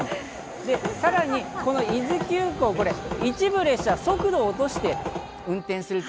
さらにこの伊豆急行、一部列車、速度を落として運転する。